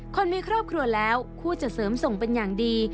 คนมีครอบครัวแล้วคู่จะเสริมส่งเป็นอย่างดี